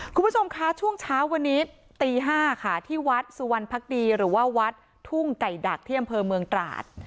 คุณผู้ชมคะช่วงเช้าวันนี้ตี๕ค่ะที่วัดสุวรรณภักดีหรือว่าวัดทุ่งไก่ดักที่อำเภอเมืองตราด